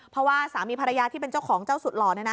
เพราะว่าสามีภรรยาที่เป็นเจ้าของเจ้าสุดหล่อ